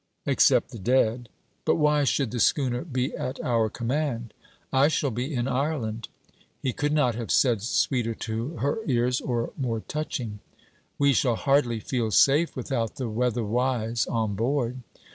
'Except the dead. But why should the schooner be at our command?' 'I shall be in Ireland.' He could not have said sweeter to her ears or more touching. 'We shall hardly feel safe without the weatherwise on board.'